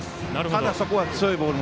ただ、そこは強いボール。